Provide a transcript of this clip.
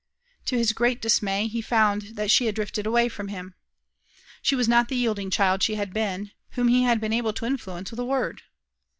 To his great dismay, he found that she had drifted away from him. She was not the yielding child she had been, whom he had been able to influence with a word.